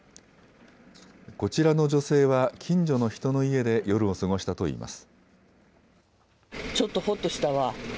こちらの女性は近所の人の家で夜を過ごしたといいます。